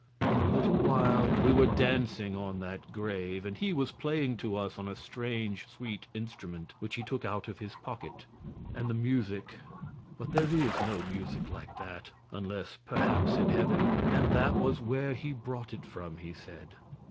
In a little while we were dancing on that grave, and he was playing to us on a strange, sweet instrument which he took out of his pocket; and the music but there is no music like that, unless perhaps in heaven, and that was where he brought it from, he said.